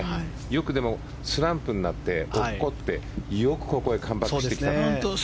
欲でもスランプになって落っこってよくここへカムバックしてきた。